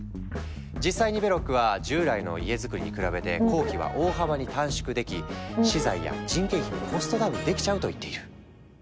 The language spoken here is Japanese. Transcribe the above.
実際にベロックは従来の家づくりに比べて工期は大幅に短縮でき資材や人件費もコストダウンできちゃうと言っている。